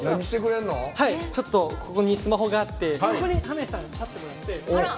ちょっとここにスマホがあって濱家さん立ってもらえます？